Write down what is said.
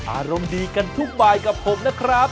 อารมณ์ดีกันทุกบายกับผมนะครับ